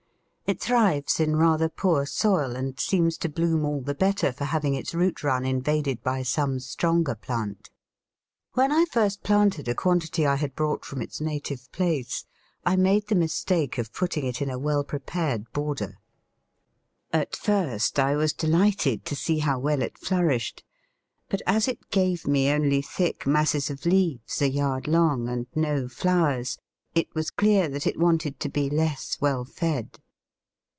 It thrives in rather poor soil, and seems to bloom all the better for having its root run invaded by some stronger plant. When I first planted a quantity I had brought from its native place, I made the mistake of putting it in a well prepared border. At first I was delighted to see how well it flourished, but as it gave me only thick masses of leaves a yard long, and no flowers, it was clear that it wanted to be less well fed.